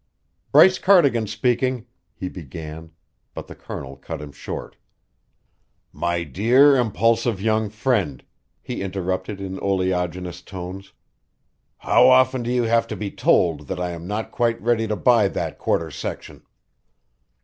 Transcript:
"Bryce Cardigan speaking," he began, but the Colonel cut him short. "My dear, impulsive young friend," he interrupted in oleaginous tones, "how often do you have to be told that I am not quite ready to buy that quarter section?"